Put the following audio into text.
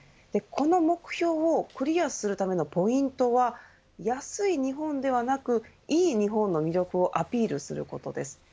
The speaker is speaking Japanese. この目標をクリアするためのポイントは安い日本ではなくいい日本の魅力をアピールすることです。